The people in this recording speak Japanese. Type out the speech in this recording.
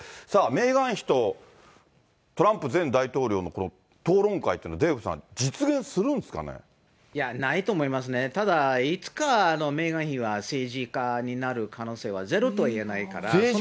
メーガン妃とトランプ前大統領のこの討論会というのはデーブさん、ないと思いますね、ただ、いつかメーガン妃は政治家になる可能性はゼロとはいえないから、